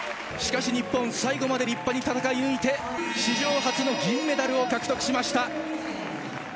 しかし日本、最後まで立派に戦い抜いて、史上初の銀メダルを獲得しました。